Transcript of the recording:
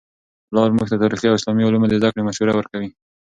پلار موږ ته د تاریخي او اسلامي علومو د زده کړې مشوره ورکوي.